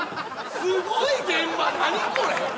すごい現場何これ？